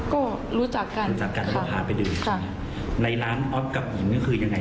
ก็รู้จักกันรู้จักกันพวกผ่านไปดื่มในร้านออฟกับหญิงคือยังไง